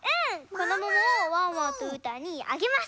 このモモをワンワンとうーたんにあげます。